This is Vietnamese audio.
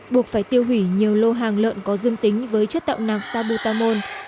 buộc phải tiêu hủy nhiều lô hàng lợn có dương tính với chất tạo nạc sabutamol